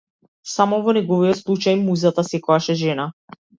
Само во неговиот случај музата секогаш е жена.